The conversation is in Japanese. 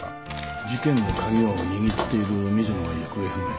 事件の鍵を握っている水野が行方不明。